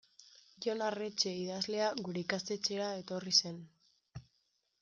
Jon Arretxe idazlea gure ikastetxera etorri zen.